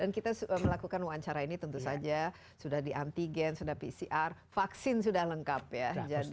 kita melakukan wawancara ini tentu saja sudah di antigen sudah pcr vaksin sudah lengkap ya